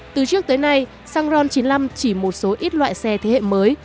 từ trước tới nay xăng ron chín mươi năm chỉ một số ít loại xe thế hệ mới